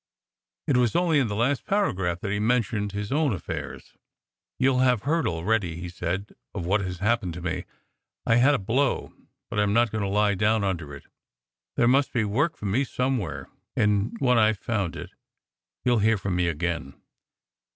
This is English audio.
It was only in the last para graph that he mentioned his own affairs. "You ll have heard already," he said, " of what has happened to me. I ve had a blow, but I m not going to lie down under it. There must be work for me somewhere, and when I ve found it you ll hear from me again.